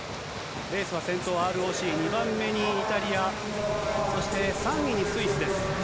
レースは先頭、ＲＯＣ、２番目にイタリア、そして３位にスイスです。